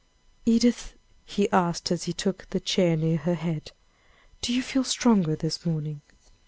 "Edith," he asked, as he took the chair near her head, "do you feel stronger this morning?"